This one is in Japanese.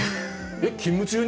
勤務中に？